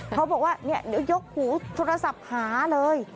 เขาบอกว่าเนี่ยเดี๋ยวยกหูโทรศัพท์หาเลย